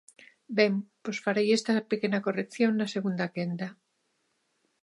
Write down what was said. Ben, pois farei esta pequena corrección na segunda quenda.